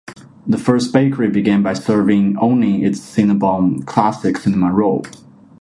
The first bakery began by serving only its Cinnabon Classic cinnamon roll.